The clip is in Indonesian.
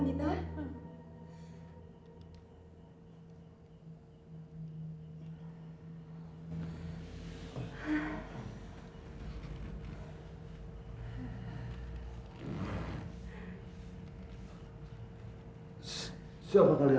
tidak sama sekali